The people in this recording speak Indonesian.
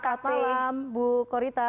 selamat malam bu korita